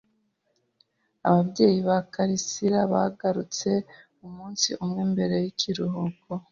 Ababyeyi ba Karasirabagarutse umunsi umwe mbere yikiruhuko.